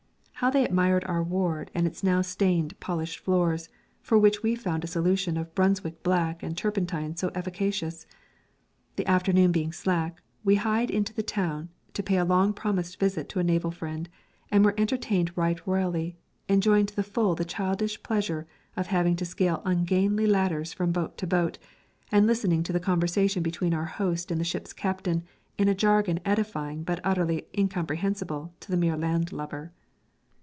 How they admired our ward and its now stained, polished floors, for which we found a solution of brunswick black and turpentine so efficacious! The afternoon being slack, we hied into the town to pay a long promised visit to a naval friend, and were entertained right royally, enjoying to the full the childish pleasure of having to scale ungainly ladders from boat to boat, and listening to the conversation between our host and the ship's captain in a jargon edifying but utterly incomprehensible to the mere landlubber.